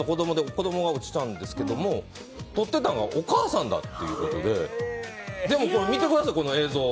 子供が落ちたんですけど撮ってたのがお母さんだということででも、見てくださいこの映像。